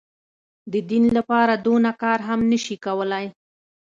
د دين لپاره دونه کار هم نه سي کولاى.